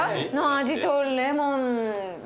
味とレモンで。